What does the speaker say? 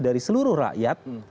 dari seluruh rakyat